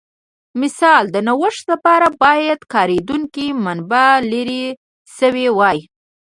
مثلاً د نوښت لپاره باید کارېدونکې منابع لرې شوې وای